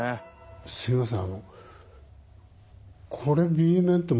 すいません